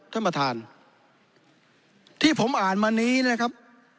ท่านประธานที่ผมอ่านมานี้นะครับ